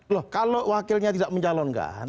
loh kalau wakilnya tidak mencalon kan